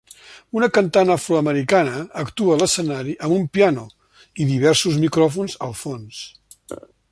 Una cantant afroamericana actua a l'escenari amb un piano i diversos micròfons al fons.